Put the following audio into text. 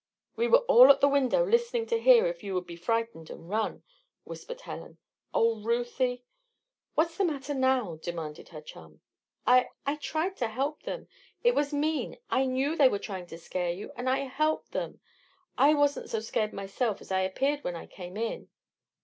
"We were all at the window listening to hear if you would be frightened and run," whispered Helen. "Oh, Ruthie!" "What's the matter, now?" demanded her chum. "I I tried to help them. It was mean. I knew they were trying to scare you, and I helped them. I wasn't so scared myself as I appeared when I came in."